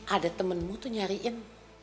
ada temenmu tuh nyariin